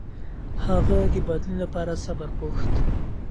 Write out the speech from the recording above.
هغه د بدلون لپاره صبر غوښت.